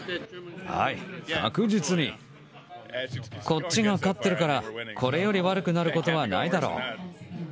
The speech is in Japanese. こっちが勝ってるからこれより悪くなることはないだろう。